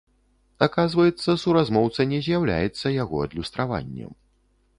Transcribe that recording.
Аказваецца суразмоўца не з'яўляецца яго адлюстраваннем.